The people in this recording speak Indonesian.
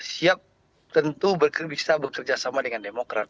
siap tentu bisa bekerja sama dengan demokrat